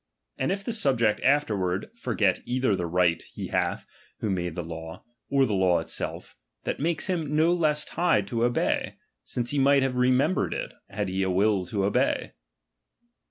And if the subject afterward forget either the right he hath who made the law, T the law itself, that makes him no less tied to ol)ey ; since he might have remembered it, had he a will to obey.